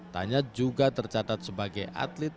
tanya juga tercatat sebagai atlet